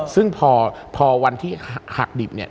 ซึ่งพอวันที่หักดิบเนี่ย